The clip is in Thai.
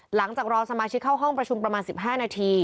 หลังจากรอสมาชิกเข้าห้องประชุมประมาณ๑๕นาที